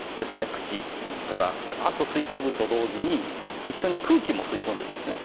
口からがっと吸い込むと同時に一緒に空気も吸い込んでるんですね。